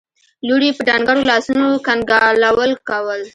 لور يې په ډنګرو لاسو کنګالول کول.